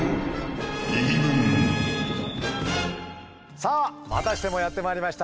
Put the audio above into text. さあまたしてもやってまいりました。